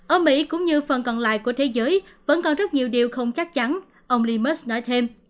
ở mỹ cũng như phần còn lại của thế giới vẫn còn rất nhiều điều không chắc chắn ông leemus nói thêm